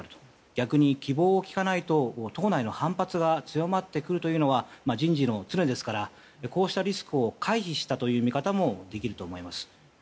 逆に希望を聞かないと党内の反発が強まってくるというのが人事の常ですからこうしたリスクを回避したという見方もできると思います。